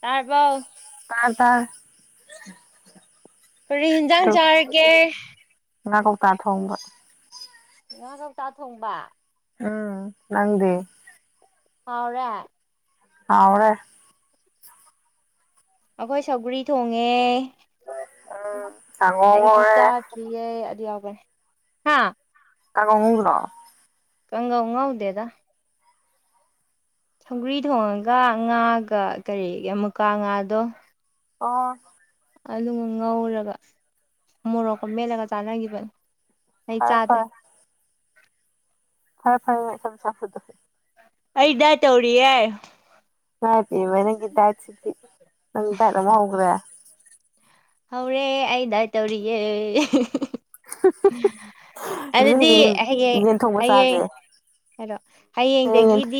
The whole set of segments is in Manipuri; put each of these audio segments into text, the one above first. ꯇꯥꯔꯕꯥꯎ ꯑꯥꯗ ꯀꯔꯤ ꯌꯦꯟꯖꯥꯡ ꯆꯥꯔꯒꯦ ꯉ ꯀ ꯄꯥ ꯊꯕ ꯉꯥ ꯀꯧꯇꯥ ꯊꯣꯡꯕ ꯎꯝ ꯅꯪꯗꯦ ꯐꯥꯎꯔ ꯑꯅꯦ ꯑꯩꯈꯣꯏ ꯁꯒꯔꯤ ꯊꯣꯡꯉꯦ ꯀꯥꯡꯉꯧ ꯑꯩꯗꯤ ꯉꯧꯔꯦ ꯆꯥꯇ꯭ꯔꯤꯌꯦꯦ ꯑꯗꯨꯗꯤ ꯌꯥꯎꯕ ꯍꯥ ꯇꯒ ꯎꯒꯂꯣ ꯀꯪꯒꯥ ꯎ ꯉꯥꯎꯗꯦꯗ ꯁꯧꯒ꯭ꯔꯤ ꯊꯣꯡꯉꯒ ꯉꯥꯒ ꯀꯔꯤꯒꯤ ꯑꯃꯨꯀꯥ ꯉꯥꯗꯣ ꯑꯣ ꯑꯗꯨꯒ ꯉꯧꯔꯒ ꯃꯣꯔꯣꯛꯀ ꯃꯦꯠꯂꯒ ꯆꯥꯟꯅꯈꯤꯕꯅꯤ ꯑꯩ ꯐꯔꯦ ꯆꯥꯗ ꯐꯔꯦ ꯐꯔꯦ ꯐꯔꯦ ꯊꯝ ꯆ ꯐꯗꯦ ꯑꯩꯗꯥꯏ ꯇꯧꯔꯤꯑꯦ ꯉꯅꯨꯡ ꯄ ꯃ ꯅꯪꯒꯤ ꯥꯏ ꯁꯤꯗꯤ ꯅꯪ ꯏ ꯑꯃ ꯍꯧꯒ꯭ꯔꯦ ꯇꯧꯔꯦ ꯑꯩꯗꯥꯏ ꯇꯧꯔꯤꯑꯦ ꯌꯦ ꯑꯗꯨꯗꯤ ꯌꯦꯟ ꯊꯣꯡꯕ ꯆꯥꯁꯦ ꯍꯂꯣ ꯍꯌꯦꯡ ꯌꯦꯟ ꯍꯌꯦꯡꯗꯒꯤꯗꯤ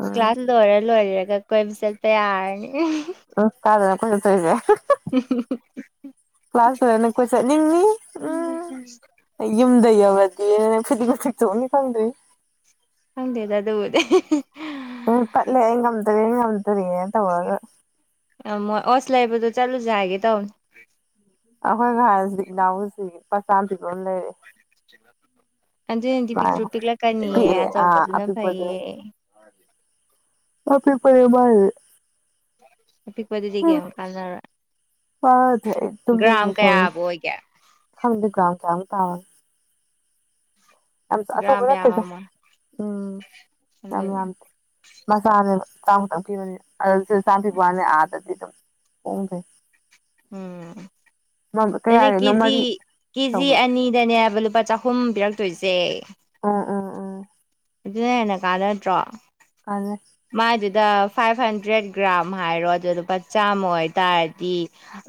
ꯎꯝ ꯀ꯭ꯂꯥꯁ ꯂꯣꯏꯔ ꯂꯣꯏꯔꯒ ꯀꯣꯏꯕ ꯆꯠꯄ ꯌꯥꯔꯅꯤ ꯎ ꯀꯥꯗꯅ ꯀꯦ ꯎ ꯀ꯭ꯂꯥꯁ ꯇꯔꯅ ꯀꯣꯏ ꯆꯠꯅꯤꯡꯉꯤ ꯎꯝ ꯌꯨꯝꯗ ꯌꯧ ꯏ ꯐꯩꯗꯤꯒꯇꯁꯨ ꯃꯤ ꯐꯪꯗ꯭ꯔꯔꯤ ꯍꯪꯗꯦꯗ ꯑꯗꯨꯕꯨꯗꯤ ꯎꯝ ꯄ ꯂꯩ ꯉꯝꯗꯔꯤ ꯉꯝꯗꯔꯤꯦ ꯇꯧ ꯋꯥꯒ ꯑ ꯃ ꯑꯁ ꯂꯥꯏꯕꯨꯗ ꯆꯥꯂꯨꯁꯒꯦ ꯇꯧ ꯑꯩꯈꯣꯏ ꯉ ꯍꯥꯏꯁꯤꯗꯤ ꯏꯅꯥꯎꯁꯤ ꯄꯆꯥ ꯄꯤꯕ ꯑꯃ ꯂꯩꯔꯦ ꯑꯗꯨꯏꯅꯗꯤ ꯄꯤꯛꯇ꯭ꯔꯨ ꯄꯤꯛꯂꯛꯀꯅꯤꯑ ꯄꯤꯛꯑꯦ ꯑꯥ ꯑꯆꯧꯕꯗꯨꯅ ꯐꯩꯌꯦ ꯑꯄꯤꯤꯄꯃꯦ ꯄꯤꯛꯄꯗꯨꯗꯤ ꯀ ꯀꯥꯟꯅꯔ ꯋꯥ ꯑꯗꯨꯝ ꯃꯤ ꯇꯋ ꯀꯌꯥꯕꯨ ꯑꯣꯏꯒꯦ ꯊꯗꯒ꯭ꯔꯝ ꯊ ꯇꯥꯎ ꯌꯥꯝ ꯒ꯭ꯔꯥꯝ ꯑꯆꯧꯕ ꯅꯠꯇꯦꯗ ꯌꯥꯝꯃꯝꯃꯣꯏ ꯎꯝ ꯌꯥꯝ ꯑꯗꯨꯅ ꯌꯥꯝꯗꯦ ꯃꯁꯥꯅꯦꯕ ꯍꯛ ꯆꯥꯡꯛꯇꯛꯈꯤꯕꯅꯦ ꯑꯗꯨꯁꯨ ꯆꯥꯝꯄꯤꯤꯕ ꯋꯥꯅꯤ ꯑꯥꯗꯗꯤ ꯑꯗꯨꯝ ꯍꯣꯡꯈꯩ ꯎꯝ ꯑꯗꯨꯅꯦ ꯀꯌꯥꯒꯤꯅꯣ ꯀꯦꯖꯤ ꯃꯔꯤ ꯀꯦꯖꯤ ꯇꯧꯕꯗꯣ ꯑꯅꯤꯗꯅꯦꯕ ꯂꯨꯄꯥ ꯆꯍꯨꯝ ꯄꯤꯔꯛꯇꯣꯏꯁꯦ ꯑ ꯎꯝ ꯎꯝ ꯑꯗꯨꯅ ꯍꯦꯟꯅ ꯀꯥꯟꯅꯗ꯭ꯔꯣ ꯑ ꯗ ꯐꯥꯏꯚ ꯍꯟꯗ꯭ꯔꯦꯠ ꯒ꯭ꯔꯥꯝ ꯍꯥꯏꯔꯣ ꯑꯗꯨ ꯂꯨꯄꯥ ꯆꯥꯝꯃ ꯑꯣꯏꯇꯥꯔꯗꯤ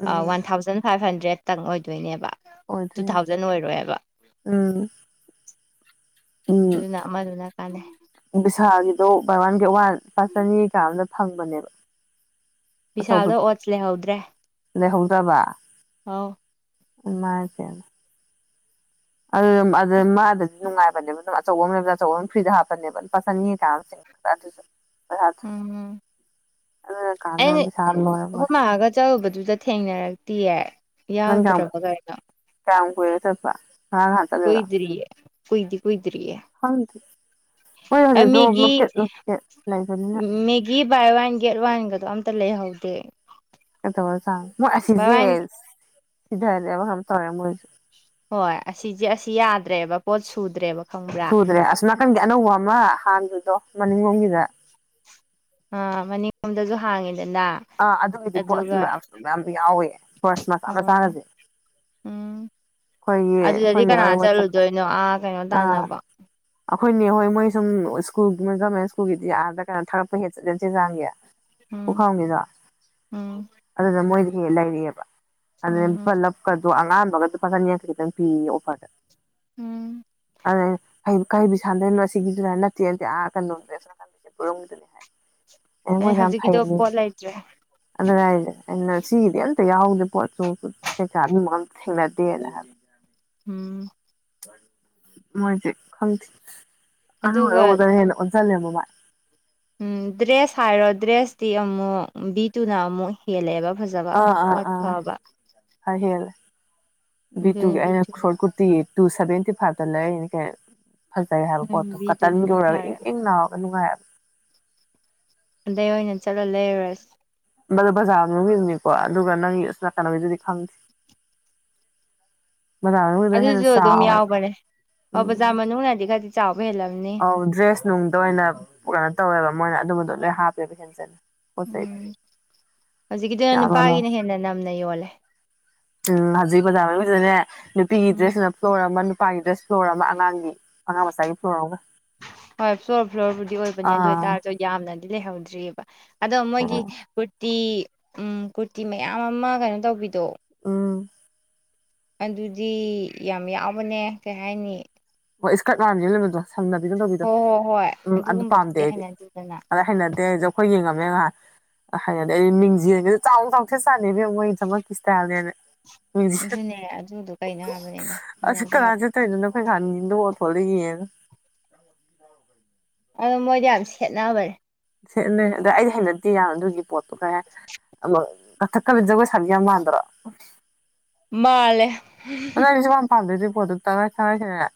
ꯎꯝ ꯋꯥꯟ ꯊꯥꯎꯖꯟ ꯐꯥꯏꯚ ꯍꯟꯗ꯭ꯔꯦꯗꯇꯪ ꯑꯣꯏꯗꯣꯏꯅꯦꯕ ꯇꯨ ꯑꯣꯏꯗꯣꯏꯅꯤ ꯊꯥꯎꯖꯟ ꯑꯣꯏꯔꯣꯏꯕ ꯎꯝ ꯑꯗꯨꯅ ꯑꯃꯗꯨꯅ ꯀꯥꯟꯅꯩ ꯕꯤꯁꯥꯒꯤꯗꯣ ꯕꯥꯔ ꯋꯥꯟꯒꯤ ꯋꯥꯟ ꯂꯨꯄꯥ ꯆꯅꯤꯒ ꯑꯃꯗ ꯐꯪꯕꯅꯦꯕ ꯕꯤꯚꯤꯁꯥꯜꯗ ꯑꯣꯠꯁ ꯂꯩꯍꯧꯗ꯭ꯔꯦ ꯂꯩꯍꯧꯗꯕ ꯑ ꯃꯥꯆ ꯑꯗꯨ ꯃꯥꯗꯗꯤ ꯅꯨꯡꯉꯥꯏꯕꯅꯦꯕ ꯑꯗꯨꯝ ꯑꯆꯧꯕ ꯑꯃꯅꯦꯕꯗ ꯑꯆꯧꯕ ꯑꯃ ꯐ꯭ꯔꯤꯗ ꯍꯥꯞꯄꯅꯦꯕ ꯑꯗꯨ ꯄꯁꯟꯅꯤ ꯀꯥ ꯄꯍꯠ ꯎꯝ ꯑꯩꯅ ꯍꯨꯝ ꯂꯣꯏꯔꯦ ꯃꯥꯒ ꯆꯠꯔꯨꯕꯗꯨꯗ ꯊꯦꯡꯅꯔꯛꯇꯦ ꯇꯤ ꯌꯥꯎꯗ꯭ꯔꯕꯒꯩꯅꯣ ꯀꯌꯥ ꯇꯕ ꯀꯣꯏꯗꯔꯤ ꯀꯏꯗꯤ ꯈꯨꯨꯏꯗꯔꯤꯌꯦ ꯈꯪꯗꯦ ꯃꯣꯏ ꯍꯧꯖꯤꯛꯇꯣ ꯃꯦꯒꯤ ꯂꯣꯀꯦꯠ ꯂꯣꯀꯦꯠ ꯂꯩꯕꯅꯤꯅ ꯃꯦꯒꯤ ꯕꯥꯏ ꯋꯥꯟ ꯒꯦꯠ ꯋꯥꯟꯒ ꯑꯗꯣ ꯑꯝꯇ ꯂꯩꯍꯧꯗꯦ ꯆ ꯕꯥꯏ ꯋꯥꯟ ꯃꯣꯏꯁꯤꯖꯦꯁ ꯁꯤꯗꯦꯕ ꯇꯧꯔꯦ ꯃꯣꯏꯁꯨ ꯍꯣꯏ ꯑꯁꯤꯁꯦ ꯑꯁꯤ ꯌꯥꯗ꯭ꯔꯦꯕ ꯄꯣꯠ ꯁꯨꯗ꯭ꯔꯦꯕ ꯈꯪꯕ꯭ꯔꯥ ꯁꯨꯗ꯭ꯔꯦ ꯑꯁ ꯅꯥꯀꯟꯒꯤ ꯑꯅꯧꯕ ꯑꯃ ꯍꯥꯟꯕꯗꯣ ꯃꯅꯤꯡꯂꯣꯝꯒꯤꯗ ꯑ ꯃꯅꯤꯡꯂꯣꯝꯗꯁꯨ ꯍꯥꯡꯉꯤꯅꯦ ꯑꯥ ꯑꯗꯨꯒꯤꯗꯤ ꯄꯣꯠꯁꯨ ꯌꯥꯝ ꯌꯥꯎꯋꯦ ꯄꯥꯔꯁ ꯃꯆꯥ ꯎꯝ ꯃꯆꯥꯅꯁꯦ ꯎꯝ ꯑꯗꯨꯗꯗꯤ ꯍꯣꯏ ꯀꯅꯥ ꯃꯣꯏ ꯆꯠꯄ ꯆꯠꯂꯨꯗꯣꯏꯅꯣ ꯑꯥ ꯀꯩꯅꯣ ꯑꯥ ꯇꯥꯅꯕ ꯑꯩꯈꯣꯏꯅꯦ ꯍꯣꯏ ꯃꯣꯏ ꯁꯨꯝ ꯁ꯭ꯀꯨꯜꯣꯏ ꯒꯣꯔꯃꯦꯟ ꯁ꯭ꯀꯨꯜꯒꯤꯗꯤ ꯌꯥꯗ꯭ꯔꯥ ꯀꯩꯅꯣ ꯊꯥꯒꯛꯄ ꯍꯠꯂꯦ ꯆꯦ ꯆꯥꯡꯁ ꯎꯝ ꯄꯨꯈꯝꯒꯤꯗꯣ ꯎꯝ ꯑꯗꯨꯗ ꯃꯣꯏꯗꯤ ꯍꯦꯛ ꯂꯩꯔꯤꯑꯦꯕ ꯑꯗꯨ ꯎꯝ ꯄꯨꯂꯞꯀꯗꯣ ꯑꯉꯥꯟꯕꯒ ꯂꯨꯄꯥ ꯆꯅꯤꯌꯥꯡꯛꯇ ꯈꯤꯇꯪ ꯄꯤꯌꯦ ꯑꯣꯐꯔꯗ ꯎꯝ ꯑꯗꯦ ꯀꯩꯕꯨ ꯁꯥꯟꯗꯣꯏꯔꯤꯅꯣ ꯁꯤꯗꯨꯃꯥꯏꯅ ꯅꯠꯇꯦ ꯑꯗꯨ ꯀꯩꯅꯣꯝꯁꯦꯝꯒꯤꯗꯨꯅꯤ ꯍꯥꯏ ꯑꯩ ꯑꯃꯣꯏ ꯌꯥꯝꯝ ꯍꯧꯖꯤꯛꯀꯤꯗꯣ ꯐꯥꯏꯅꯤ ꯄꯣꯠ ꯂꯩꯇ꯭ꯔꯦ ꯑꯗꯨ ꯍꯥꯏꯁꯦ ꯑꯩꯅ ꯁꯤꯒꯤꯗꯤ ꯑꯝꯇ ꯌꯥꯎꯗꯦ ꯄꯣꯠꯁꯨ ꯀꯩꯀꯥ ꯃꯤꯃ ꯊꯦꯡꯅꯗꯦꯅ ꯍꯥꯏꯕ ꯎꯝ ꯃꯣꯏꯁꯦ ꯈꯪꯗꯦ ꯑꯅꯨ ꯑꯗꯨꯒ ꯑꯔꯧꯕꯗꯅ ꯍꯦꯟꯅ ꯑꯣꯟꯁꯤꯜꯂꯦꯕ ꯃꯥꯏ ꯎꯝ ꯗ꯭ꯔꯦꯁ ꯍꯥꯏꯔꯣ ꯗ꯭ꯔꯦꯁꯇꯤ ꯑꯃꯨꯛ ꯕꯤ ꯇꯨꯅ ꯑꯃꯨꯛ ꯍꯦꯜꯂꯛꯑꯦꯕ ꯐꯖꯕ ꯑꯥ ꯑꯥ ꯄꯣꯠ ꯑꯥ ꯐꯕ ꯑꯗꯨꯅ ꯕꯤꯇꯨꯒꯤ ꯑꯩꯅ ꯕꯤꯇꯨ ꯁꯣꯔꯠ ꯀꯨꯔꯇꯤ ꯇꯨ ꯁꯚꯦꯟꯇꯤ ꯐꯥꯏꯚꯇ ꯂꯩꯔꯤꯅꯤ ꯀ ꯐꯖꯩ ꯍꯥꯏꯕ ꯄꯣꯠꯇꯣ ꯀꯇꯟ ꯕꯤꯇꯨꯗꯨꯅ ꯂꯣꯏꯨꯔꯒ ꯐꯔꯦ ꯏꯪ ꯏꯪ ꯅꯥꯔꯒ ꯅꯨꯡꯉꯥꯏꯕ ꯑꯗꯩ ꯑꯣꯏꯅ ꯆꯠꯂ ꯂꯩꯔꯨꯔꯁꯤ ꯕꯖꯥꯔ ꯃꯅꯨꯡꯒꯤꯗꯨꯅꯤꯀꯣ ꯑꯗꯨꯒ ꯅꯪꯒꯤ ꯑ ꯅ ꯀꯩꯅꯅꯕꯩꯗꯨꯗꯤ ꯈꯪꯗ꯭ꯦ ꯑꯗꯨꯁꯨ ꯑꯗꯨꯝ ꯌꯥꯎꯕꯅꯦ ꯑꯣ ꯎꯝ ꯕꯖꯥꯔ ꯃꯅꯨꯡꯅꯗꯤ ꯈꯗꯤ ꯑꯧ ꯗ꯭ꯔꯦꯁ ꯅꯨꯡꯗ ꯑꯣꯏꯅ ꯀꯩꯅꯣ ꯇꯧꯋꯦꯕ ꯃꯣꯏꯅ ꯑꯗꯨꯝꯕꯗꯣ ꯂꯣꯏ ꯍꯥꯞꯄꯦꯕ ꯍꯦꯟꯆꯦ ꯎꯝ ꯍꯧꯖꯤꯛꯀꯤꯗꯨꯅ ꯌꯥꯝꯅ ꯂꯧ ꯅꯨꯄꯥꯒꯤꯅ ꯍꯦꯟꯅ ꯅꯝꯅ ꯌꯣꯜꯂꯦ ꯎꯝ ꯍꯧꯖꯤꯛ ꯕꯖꯥꯔ ꯃꯅꯨꯡꯁꯤꯗꯅꯦ ꯅꯨꯄꯤꯒꯤ ꯎꯝ ꯗ꯭ꯔꯦꯁꯅ ꯀꯧꯔꯝꯕ ꯎꯄꯥꯥꯏꯒꯤꯗ ꯐ꯭ꯂꯣꯔ ꯑꯃ ꯑꯉꯥꯡꯒꯤ ꯑꯉꯥꯡ ꯃꯆꯥꯒꯤ ꯐ꯭ꯂꯣꯔ ꯑꯃ ꯍꯣꯏ ꯐ꯭ꯂꯣꯔ ꯐ꯭ꯂꯣꯔꯕꯨꯗꯤ ꯑꯣꯏꯕꯅꯦ ꯑꯗꯨ ꯑꯥ ꯑꯣꯏꯇꯥꯔꯁꯨ ꯌꯥꯝꯅꯗꯤ ꯂꯩꯍꯧꯗ꯭ꯔꯤꯑꯕ ꯑꯗꯣ ꯃꯣꯏꯒꯤ ꯎꯝ ꯀꯨꯔꯇꯤ ꯀꯨꯔꯇꯤ ꯃꯌꯥꯝ ꯑꯃ ꯀꯩꯅꯣ ꯇꯧꯕꯤꯗꯣ ꯎꯝ ꯑꯗꯨꯗꯤ ꯌꯥꯝ ꯌꯥꯎꯕꯅꯦ ꯀꯩ ꯍꯥꯏꯅꯤ ꯑꯣ ꯏꯁꯀꯥ ꯀꯥꯝ ꯌꯦ ꯂꯩꯦꯣ ꯁꯪꯅꯕꯤꯗꯅ ꯇꯧꯕꯤꯗꯣ ꯍꯣꯏ ꯍꯣꯏ ꯍꯣꯏ ꯎꯝ ꯑꯗꯨ ꯄꯥꯝꯗꯦ ꯑꯗꯨꯒꯨꯝꯕꯗꯨꯗꯤ ꯑꯩꯗꯤ ꯍꯩꯅꯗꯦꯗꯅ ꯑꯗ ꯍꯩꯅꯗꯦ ꯍꯥꯏꯁꯨ ꯑꯩꯈꯣꯏ ꯌꯦꯡꯉ ꯑ [unintelligible] ꯍꯥꯏꯗꯤ ꯑꯩ ꯃꯤꯡꯁꯤ ꯆꯥꯎꯅ ꯆꯥꯎꯁꯦꯠ ꯆꯥꯅꯩ ꯐ ꯃꯣꯏꯒꯤ ꯆꯃꯛꯀꯤ ꯏꯁꯇꯥꯏꯜꯅꯦꯅ ꯃꯤꯡꯖꯦꯜ ꯑꯗꯨꯅꯦ ꯑꯗꯨꯗꯣ ꯀꯩꯅꯣ ꯍꯥꯏꯕꯅꯤꯅ ꯍꯟꯅꯗꯦ ꯍꯥꯏꯕ ꯀꯗ ꯊꯗꯒꯤꯅ ꯑꯣ ꯃꯣꯏꯗꯤ ꯌꯥꯝ ꯁꯦꯠꯅꯕꯅꯦ ꯁꯦꯠꯅꯩ ꯑꯗꯣ ꯑꯩꯗꯤ ꯍꯩꯅꯗꯦ ꯌꯥ ꯑꯗꯨꯒꯤ ꯄꯣꯠꯇꯣ ꯈꯔ ꯑꯃ ꯀꯊꯛꯀꯕꯤꯖꯒꯣꯏꯁꯒ ꯃꯥꯟꯗ꯭ꯔ ꯃꯥꯜ ꯣ ꯑꯗꯨ ꯇꯥꯏ ꯊꯔꯁꯤꯅ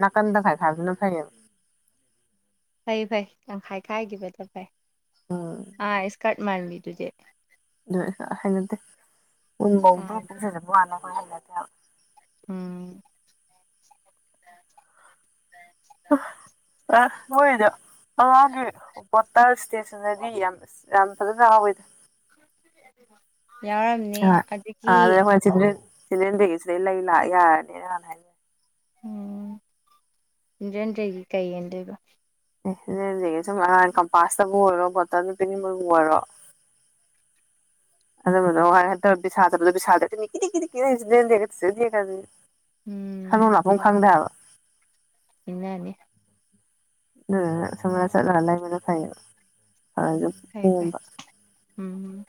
ꯅꯥꯀꯟ ꯇꯒꯥꯏ ꯁꯥꯗꯨꯅ ꯐꯩꯌꯦꯕ ꯐꯩ ꯐꯩ ꯇꯪꯈꯥꯏ ꯈꯥꯏꯈꯤꯕꯗ ꯐꯩ ꯎꯝ ꯑꯥ ꯏꯁꯀꯥꯔꯠ ꯃꯥꯟꯕꯤꯗꯨꯗꯤ ꯑꯗꯨ ꯍꯩꯅꯗꯦ ꯎꯟꯐꯧꯗꯣ ꯄꯥꯝꯃꯦ ꯄꯨꯡꯁꯤꯗꯄ ꯋꯥꯅꯤ ꯑꯩꯈꯣꯏ ꯍꯩꯅꯗꯦꯕ ꯎꯝ ꯑ ꯍꯣꯏꯗ [unintelligible] ꯕꯣꯇꯜ ꯏꯁꯇꯦꯁꯟꯅꯔꯤ ꯌꯥꯝ ꯌꯥꯝ ꯐꯖꯅ ꯍꯥꯎꯋꯦꯗ ꯌꯥꯎꯔꯝꯅꯤ ꯑ ꯑ ꯑꯗꯒꯤ ꯑꯗꯨ ꯀꯆꯦ ꯁꯤꯅꯦꯦꯟꯗꯒꯤꯒꯤ ꯁꯤꯗꯩ ꯂꯩ ꯂꯥꯛ ꯌꯥꯔꯅꯤꯅ ꯍꯥꯟꯅ ꯍꯥꯏꯕꯦ ꯎꯝ ꯏꯒꯤ ꯀꯩ ꯌꯦꯗꯕ ꯁꯨꯝꯥꯡ ꯀꯝꯄꯥꯁꯇꯕꯨ ꯑꯣꯏꯔꯣ ꯕꯣꯇꯜꯗ ꯄꯤꯅꯤꯡꯕꯕꯨ ꯑꯣꯏꯔꯣ ꯑ ꯃꯗꯗꯤ ꯈꯩꯅꯣ ꯂꯥꯛꯐꯝ ꯈꯪꯗ꯭ꯔꯦꯕ ꯑꯦꯅꯥꯅꯦ ꯑꯗꯨ ꯁꯝ ꯆꯠꯂꯒ ꯂꯩꯕꯅ ꯐꯩꯌꯦꯕ ꯐꯁꯦ ꯐꯩ ꯐꯩ ꯀꯣꯝꯕ ꯎꯝ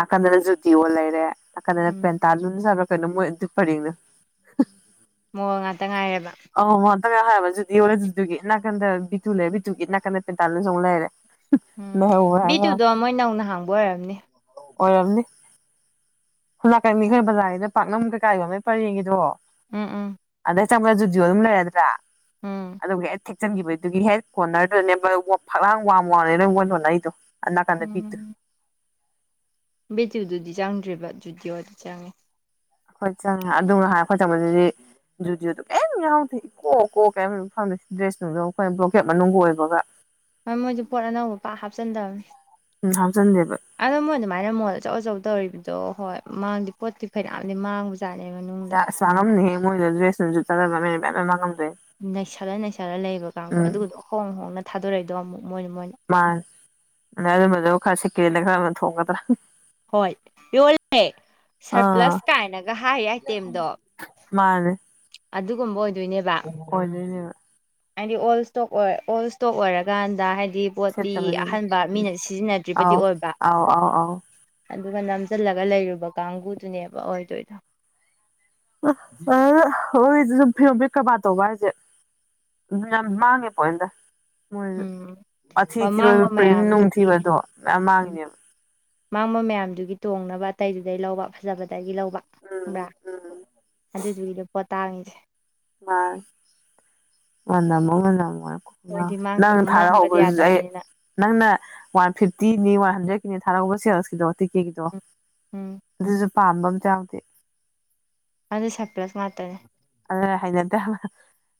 ꯅꯥꯀꯟꯗꯅ ꯖꯨꯇꯤ ꯑꯣ ꯂꯩꯔꯦ ꯅꯥꯀꯟꯗꯅ ꯎꯝ ꯄꯦꯟꯇꯥꯖꯨꯔꯛ ꯀꯅꯗꯤ ꯐꯔꯅ ꯃꯑꯣ ꯉꯥꯛꯇ ꯉꯥꯏꯦꯕ ꯑ ꯍꯥꯏꯥꯟꯕ ꯖꯨꯗꯤ ꯌꯣꯂꯦ ꯖꯗꯨꯒꯤ ꯅꯥꯀꯟꯗ ꯕꯤꯇꯨ ꯂꯩꯔ ꯕꯤꯇꯨꯒꯤ ꯅꯥꯀꯟꯗ ꯇꯦꯟꯇꯥꯜ ꯁꯣꯡꯛ ꯂꯩꯔꯦ ꯎꯝ ꯂꯩꯍꯧꯕ꯭ꯔꯥ ꯍꯥꯏꯕ ꯕꯤꯗꯨꯨꯗꯣ ꯃꯣꯏ ꯅꯧꯅ ꯍꯥꯡꯕ ꯑꯣꯏꯔꯝꯅꯦ ꯑꯣꯏꯔꯝꯅꯤ ꯍꯂꯥꯛꯀꯅꯤ ꯑꯩꯈꯣꯏ ꯕꯖꯥꯔꯒꯤꯗ ꯄꯥꯛꯅꯝ ꯀꯩꯀꯥꯏꯒꯤꯅꯦ ꯄꯔꯦꯡꯒꯤꯗꯣ ꯎꯝ ꯎꯝ ꯆꯝ ꯖꯨꯖꯨ ꯑꯗꯨꯝ ꯂꯩꯔꯗ꯭ꯔꯥ ꯎꯝ ꯑꯗꯨ ꯆꯪꯈꯤꯕꯗꯨꯒꯤ ꯍꯦꯠ ꯀꯣꯔꯅꯔꯗꯨꯗꯅꯦ ꯐꯛꯂꯥꯡ ꯋꯥꯡ ꯋꯥꯡꯅꯦ ꯅꯪ ꯑꯣꯜꯂꯣꯅ ꯑꯩꯗꯣ ꯑ ꯀꯥꯟꯗ ꯐꯤꯠ ꯕꯦꯠꯇꯨꯗꯨꯗꯤ ꯆꯪꯗ꯭ꯔꯦꯕ ꯖꯨꯗꯤ ꯋꯥꯗꯤ ꯆꯪꯉꯦ ꯑꯩꯈꯣꯏ ꯆꯪꯉꯦ ꯑꯗꯨꯒ ꯉ ꯍꯥꯏ ꯑꯩꯈꯣꯏ ꯆꯪꯕꯁꯤꯗꯤ ꯨꯗꯤꯑꯣꯗꯣ ꯀꯩꯝ ꯌꯥꯎꯗꯦ ꯏꯀꯣꯛ ꯀꯣꯛ ꯀꯩꯝ ꯐꯪꯗꯦ ꯗ꯭ꯔꯦꯁꯅꯨꯡꯗ ꯑꯩꯈꯣꯏꯅ ꯕ꯭ꯂꯣꯀꯦꯠ ꯃꯅꯨꯡ ꯑꯣꯏꯕꯒ ꯍꯣꯏ ꯃꯣꯏꯗꯤ ꯄꯣꯠ ꯑꯅꯧꯕ ꯄꯥꯛ ꯍꯥꯞꯆꯤꯟꯗꯕꯅꯦ ꯎꯝ ꯍꯥꯞꯆꯤꯟꯗꯦꯕ ꯑꯗ ꯃꯣꯏ ꯑꯗꯨꯃꯥꯏꯅ ꯃꯣꯟꯗ ꯑꯆꯧ ꯑꯆꯧ ꯇꯧꯔꯤꯕꯗꯣ ꯍꯣꯏ ꯃꯥꯡꯗꯦ ꯄꯣꯠꯇꯤ ꯐꯩꯅꯌꯥꯝꯗꯤ ꯃꯥꯡꯕꯁꯤꯁꯨ ꯁꯉꯝꯅꯦꯍꯦ ꯃꯣꯏꯅ ꯗ꯭ꯔꯦꯁꯁꯨ ꯃꯉꯝꯅꯦ ꯅꯩꯁꯜꯂ ꯅꯩꯁꯜꯂ ꯂꯩꯕ ꯀꯥꯡꯣ ꯎꯝ ꯑꯗꯨꯒꯗꯣ ꯍꯣꯡ ꯍꯣꯡꯅ ꯊꯥꯗꯣꯔꯛꯏꯗꯣ ꯑꯃꯨꯛ ꯃꯣꯏꯅ ꯃꯣꯏꯅ ꯃꯥ ꯑꯗ ꯑꯗꯨꯝꯕꯗꯣ ꯈꯔ ꯁꯤꯀꯦꯗ ꯈꯔ ꯑꯃ ꯊꯣꯡꯒꯗ꯭ꯔꯥ ꯍꯣꯏ ꯌꯣꯜꯂꯦ ꯑꯥ ꯁꯔꯄ꯭ꯂꯁ ꯀꯥꯏꯅꯒ ꯍꯥꯏ ꯑꯥꯏꯇꯦꯝꯗꯣ ꯃꯥꯅꯦ ꯑꯗꯨ ꯀꯨꯝꯕ ꯑꯣꯏꯗꯣꯏꯅꯦ ꯑꯣ ꯏꯅꯅꯦ [unintelligible] ꯍꯥꯏꯗꯤ ꯑꯣꯜ ꯏꯁꯇꯣꯛ ꯑꯣꯏ ꯑꯣꯜ ꯏꯁꯇꯣꯛ ꯑꯣꯏꯔꯀꯥꯟꯗ ꯍꯥꯏꯗꯤ ꯗꯤ ꯄꯣꯠꯇꯤ ꯁꯦꯠꯇꯕꯗꯤ ꯑꯍꯟꯕ ꯎꯝ ꯃꯤꯅ ꯁꯤꯖꯤꯟꯅꯗ꯭ꯔꯤꯕꯗꯤ ꯑꯥꯎ ꯑꯣꯏꯕ ꯑꯥꯎ ꯑꯥꯎ ꯑꯥꯎ ꯑꯗꯨꯒ ꯅꯝꯁꯤꯜꯂꯒ ꯂꯩꯔꯨꯕ ꯀꯥꯡꯕꯨꯗꯨꯅꯦꯕ ꯑꯣꯏꯗꯣꯏꯗꯣ ꯑ ꯍꯣꯏ ꯁꯨꯝ ꯐꯤꯔꯣꯝ ꯐ ꯀꯕꯥ ꯇꯧꯕ ꯍꯥꯏꯁꯦ ꯌꯥꯝ ꯃꯥꯉꯦ ꯄꯑꯦꯟꯗ ꯃꯣꯏ ꯎꯝ ꯃꯊꯤ ꯍꯣꯏ ꯊꯤꯕ ꯃꯥꯡꯕ ꯄ꯭ꯔꯤꯟ ꯃꯌꯥꯝꯗꯨꯒꯤ ꯅꯨꯡꯊꯤꯕꯗꯣ ꯃꯌꯥꯝ ꯎꯝ ꯃꯥꯡꯉꯕ ꯃꯥꯡꯕ ꯃꯌꯥꯝꯗꯨꯒꯤ ꯇꯣꯡꯅꯕ ꯑꯇꯩꯗꯨꯗꯩ ꯂꯧꯕ ꯐꯖꯕꯗꯒꯤ ꯂ ꯎꯝ ꯭ꯔꯥ ꯎꯝ ꯑꯗꯨꯗꯨꯒꯤꯗ ꯄꯣ ꯇꯥꯡꯉꯁꯦ ꯃꯥ ꯑꯣꯃ ꯑꯣꯃ ꯍꯣꯏꯗꯤ ꯅꯪ ꯃꯥꯡꯕꯗꯤ ꯊꯥꯔꯛꯍꯧꯕꯗꯨꯁꯨ ꯑꯩ ꯌꯥꯗꯕꯅꯤꯅ ꯅꯪꯅ ꯋꯥꯟ ꯐꯤꯐꯇꯤꯅꯤ ꯋꯥꯟ ꯍꯟꯗ꯭ꯔꯦꯠ ꯅꯦ ꯊꯥꯔꯛꯧꯕ ꯁꯦꯜꯁꯀꯤꯗꯣ ꯇꯤꯛꯀꯦꯠꯀꯤꯗꯣ ꯎꯝ ꯎꯝ ꯑꯗꯨꯁꯨ ꯄꯥꯝꯕ ꯑꯝꯇ ꯌꯥꯎꯗꯦ ꯑꯗꯨꯗ ꯁꯄ꯭ꯂꯁ ꯃꯥꯇꯅꯦꯦ ꯍꯥꯏꯅꯗ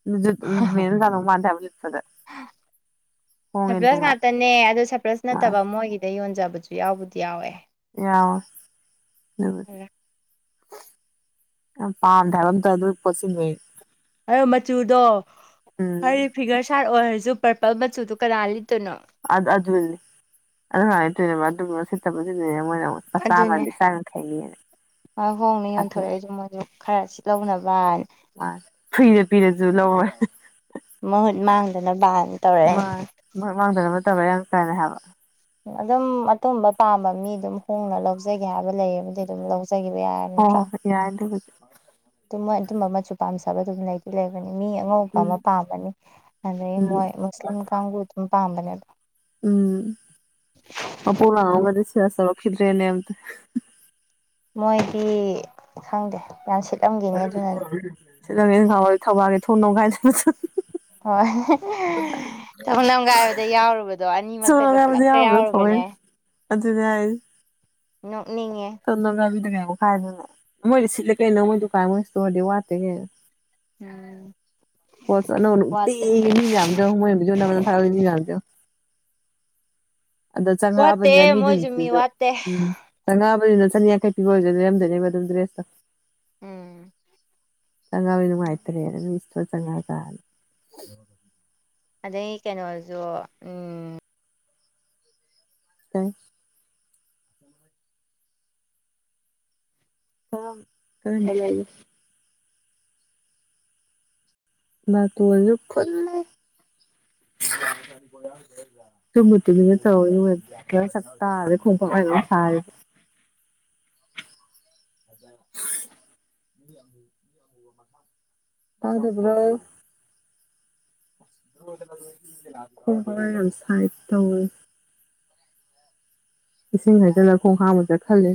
ꯃꯅ ꯂꯅꯣ ꯃꯗꯄꯗ ꯁꯔꯄ꯭ꯔꯁ ꯉꯇꯅꯦ ꯑꯗꯨ ꯁꯔꯄ꯭ꯔꯁ ꯅꯠꯇꯕ ꯃꯥꯅꯤ ꯃꯣꯏꯒꯤꯗ ꯌꯣꯟꯖꯕꯁꯨ ꯌꯥꯎꯕꯗꯤ ꯌꯥꯎꯋꯦ ꯌꯥꯗꯤ ꯄꯝ ꯊꯔꯝ ꯇ ꯑꯗꯨ ꯑꯗꯨ ꯄꯁꯤꯤꯟꯕꯣꯏ ꯑꯗꯣ ꯃꯆꯨꯗꯣ ꯎꯝ ꯍꯥꯏꯔꯤ ꯐꯤꯒꯔ ꯁꯥꯔꯠ ꯑꯣꯏꯔꯁꯨ ꯄꯔꯄꯜ ꯃꯆꯨꯗꯣ ꯀꯅꯥ ꯂꯤꯠꯇꯣꯏꯅꯣ ꯑꯗꯨꯅꯦ ꯑꯗꯨ ꯍꯥꯏꯣꯏꯅꯦ ꯑꯗꯨꯠꯇ ꯣꯏꯅ ꯑꯃ ꯃꯆꯥ ꯑꯗꯨꯅꯦ ꯑꯃꯗꯤ ꯆꯥ ꯈꯩꯅꯤꯑꯅ ꯍꯣꯡꯅ ꯊꯥꯗꯣꯛꯑꯒꯦ ꯌꯣꯟꯊꯣꯔꯛꯏꯁꯨ ꯃꯣꯏꯁꯨ ꯈꯔ ꯁꯤ ꯂꯧꯅꯕ ꯑ ꯐꯨꯏꯔꯦ ꯄꯤꯔꯁꯨ ꯂꯣꯏ ꯃꯍꯨꯠ ꯃꯥꯡꯗꯨꯅ ꯕꯥꯟ ꯇꯧꯔꯦ ꯇꯔ ꯌꯥꯝꯅ ꯀꯩꯅ ꯍꯥꯏꯕ ꯑꯗꯨꯝ ꯑꯇꯨꯝꯝꯕ ꯄꯥꯝꯕ ꯃꯤ ꯑꯗꯨꯝ ꯍꯣꯡꯅ ꯂꯧꯖꯒꯦ ꯍꯥꯏꯕ ꯂꯩꯕꯨꯗꯤ ꯑꯗꯨꯝ ꯂꯧꯖ ꯆꯠꯒꯤꯕ ꯌꯥꯔꯝ ꯅꯠꯇ꯭ꯔꯣ ꯍꯣꯏ ꯍꯣꯏ ꯌꯥꯏ ꯑꯗꯨꯕꯨꯗꯤ ꯑꯗꯨ ꯃꯣꯏ ꯑꯗꯨꯝꯕ ꯃꯆꯨ ꯄꯥꯝꯖꯕꯗꯨꯝ ꯂꯩꯗꯤ ꯂꯩꯕꯅꯤ ꯃꯤ ꯑꯉꯧꯕ ꯎꯝ ꯑꯃ ꯄꯥꯝꯃꯅꯤ ꯑꯗꯩ ꯎꯝ ꯃꯣꯏ ꯃꯨꯁꯂꯤꯝ ꯀꯥꯡꯕꯨ ꯑꯗꯨꯝ ꯄꯥꯝꯕꯅꯦ ꯎꯝ ꯃꯄꯣꯛ ꯂꯥꯉꯣꯟꯒꯗꯤ ꯁꯦꯜꯁ ꯇꯧꯔꯛ ꯈꯤꯗ꯭ꯔꯦꯅꯦ ꯑꯝꯇ ꯃꯣꯏꯗꯤ ꯈꯪꯗꯦ ꯌꯥꯝ ꯁꯤꯠꯂꯝꯈꯤꯅꯤ ꯑꯗꯨꯅꯅꯤ [unintelligible] ꯍꯣꯏ ꯊꯣꯡ ꯅꯝꯒꯥꯏꯕꯗ ꯌꯥꯎꯔꯨꯕꯗꯣ ꯊꯣꯡ ꯑꯅꯤꯃꯛꯇꯒ ꯅꯣꯝꯒꯥꯏꯕꯗ ꯄꯨꯜꯂꯞꯀ ꯌꯥꯎꯔꯝꯕꯗꯣ ꯌꯥꯎꯔꯨꯕꯅꯦ ꯊꯑꯣꯏꯅ ꯑꯗꯨꯅꯦ ꯍꯥꯏ ꯅꯣꯡ ꯊꯣꯡ ꯅꯝꯒꯥꯏꯕꯤꯗꯒ ꯌꯥꯎꯈꯥꯏꯗꯅ ꯃꯣꯏꯗꯤ ꯁꯤꯠꯂꯦ ꯀꯩꯅꯣ ꯃꯣꯏ ꯗꯨꯀꯥꯟ ꯃꯣꯏ ꯏꯁꯇꯣꯔꯗꯤ ꯋꯥꯠꯇꯦ ꯍꯦ ꯎꯝ ꯄꯣꯁ ꯑꯅꯧꯕ ꯋꯥꯠꯇꯦ ꯅꯨꯡꯇꯤꯒꯤ ꯃꯤ ꯃꯌꯥꯝꯗꯣ ꯌꯦꯡꯉꯣ ꯃꯣꯏ ꯚꯤꯗꯤꯌꯣꯥ ꯅꯝꯕꯗ ꯑꯗꯨꯝ ꯊꯥꯒꯠꯏ ꯃꯤ ꯃꯌꯥꯝꯗꯣ ꯌꯦꯡꯉꯣ ꯑꯗ ꯆꯪꯉꯛꯑꯕꯅꯤꯅ ꯋꯥꯠꯇꯦ ꯃꯣꯏꯁꯨ ꯃꯤꯗꯨꯅꯁꯨ ꯃꯤ ꯗꯣ ꯋꯥꯠꯇꯦ ꯎꯝ ꯆꯪꯉꯛꯑꯕꯅꯤꯅ ꯆꯅꯤꯌꯥꯡꯈꯩ ꯄꯤꯕ ꯑꯣꯏꯖꯨ ꯂꯩꯔꯝꯗꯣꯏꯅꯦꯕ ꯑꯗꯨꯝ ꯗ꯭ꯔꯦꯁꯇꯣ ꯎꯝ ꯆꯪꯉꯛꯑꯕꯅꯤꯅ ꯅꯨꯡꯉꯥꯏꯇꯔꯦ ꯑꯗꯨꯏ ꯏꯁꯇꯣꯔ ꯆꯪꯉꯛꯑꯒꯅ ꯑꯗꯩ ꯀꯩꯅꯣꯖꯨ ꯎꯝ [unintelligible] ꯐꯃꯨꯡꯗ ꯂꯩꯌꯦ ꯅꯥꯇꯣꯟꯖꯨ ꯐꯨꯜꯂꯦ [inaudible] [unintelligible] [inaudible] ꯇꯥꯗꯕ꯭ꯔꯣ ꯈꯣꯡ ꯈꯥ ꯌꯥꯝ ꯁꯥꯏ ꯇꯧꯔꯤꯁꯦ ꯏꯁꯤꯡ ꯍꯩꯖꯜꯂ ꯈꯣꯡ ꯍꯥꯥꯝꯃꯨꯖꯤꯔꯥ ꯈꯜꯂꯦ